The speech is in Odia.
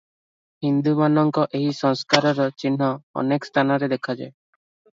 ହିନ୍ଦୁମାନଙ୍କର ଏହି ସଂସ୍କାରର ଚିହ୍ନ ଅନେକ ସ୍ଥାନରେ ଦେଖାଯାଏ ।